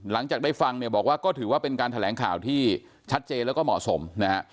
หลังจากได้ฟังเนี่ยบอกว่าก็ถือว่าเป็นการแถลงข่าวที่ชัดเจนแล้วก็เหมาะสมนะฮะ